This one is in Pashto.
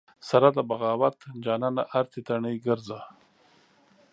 سره د بغاوت جانانه ارتې تڼۍ ګرځې